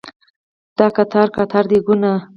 دا قطار قطار دیګونه